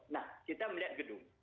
nah kita lihat gedung